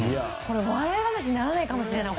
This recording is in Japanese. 笑い話にならないかもしれない。